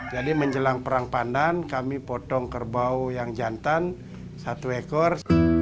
jadi menjelang perang pandan kami potong kerbau yang jantan satu ekor